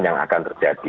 yang akan terjadi